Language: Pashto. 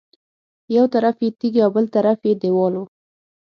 یو طرف یې تیږې او بل طرف یې دېوال و.